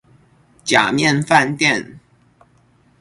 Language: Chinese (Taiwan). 假面飯店